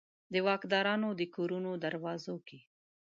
د واکدارانو د کورونو دروازو کې